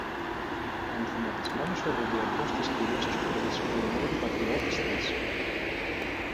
ο αναθεματισμένος ο οδοντογιατρός της κ. Τσουκρής, μολονότι πατριώτης της,